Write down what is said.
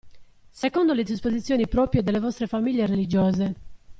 Secondo le disposizioni proprie delle vostre famiglie religiose.